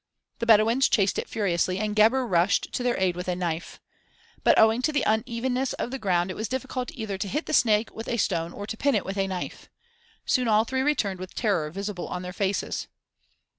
The Bedouins chased it furiously and Gebhr rushed to their aid with a knife. But owing to the unevenness of the ground it was difficult either to hit the snake with a stone or to pin it with a knife. Soon all three returned with terror visible on their faces.